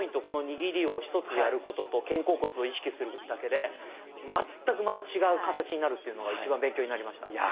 この握りを一つやることと肩甲骨を意識するだけで全くまた違う形になるっていうのが一番勉強になりました。